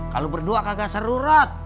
kalau berdua kagak seru rat